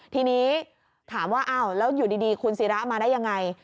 ทีนี้ถามว่าอ้าวแล้วอยู่ดีคุณศิรามาได้ยังไง